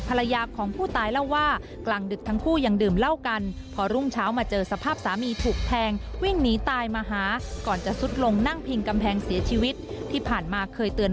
ภรรยาของผู้ตายเล่าว่า